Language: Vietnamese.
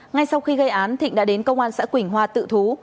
ngay sau khi gây án thịnh đã đến công an xã quỳnh hoa tự thú